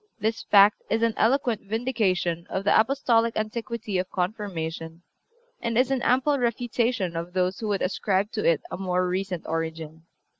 This fact is an eloquent vindication of the Apostolic antiquity of Confirmation, and is an ample refutation of those who would ascribe to it a more recent origin.